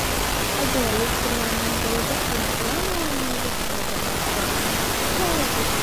Ajoyib kunlarning birida u yana oynaga qaradi va birdan taajjubga tushdi: